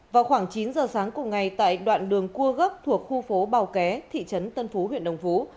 vào khoảng chín giờ sáng cùng ngày tại đoạn đường cua gốc thuộc khu phố bào ké thị trấn tân phú huyện đồng phú